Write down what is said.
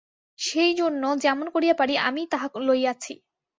সেইজন্য যেমন করিয়া পারি আমিই তাহা লইয়াছি।